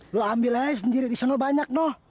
lo ambil aja sendiri di sana banyak noh